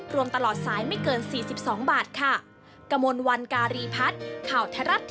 รวมตลอดสายไม่เกิน๔๒บาทค่ะ